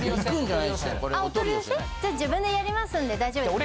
じゃあ自分でやりますんで大丈夫です。